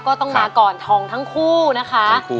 ก็ต้องมาก่อนทองทั้งคู่นะคะ